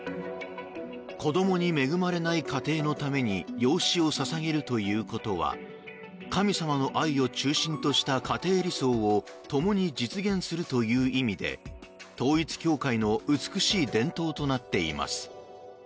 子どもに恵まれない家庭のために養子を捧げるということは神様の愛を中心とした家庭理想をともに実現するという意味で統一教会の美しい伝統となっています。